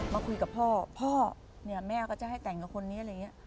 มาคุยกับพ่อพ่อเนี่ยแม่ก็จะให้แต่งกับคนนี้อะไรอย่างนี้